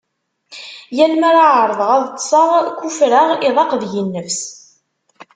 Yal mi ara ɛerḍeɣ ad ṭseɣ, kufreɣ iḍaq deg-i nnefs.